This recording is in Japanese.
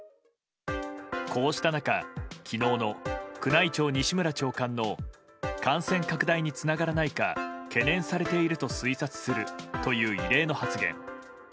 こうした中、昨日の宮内庁・西村長官の感染拡大につながらないか懸念されていると推察するという異例の発言。